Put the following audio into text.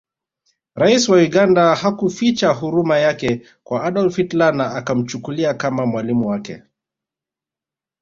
Rais wa Uganda hakuficha huruma yake kwa Adolf Hitler na akamchukulia kama mwalimu wake